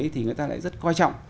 thì người ta lại rất quan trọng